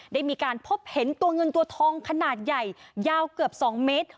ได้มีการพบเห็นตัวเงินตัวทองขนาดใหญ่ยาวเกือบ๒เมตร